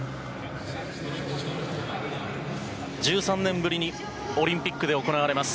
１３年ぶりにオリンピックで行われます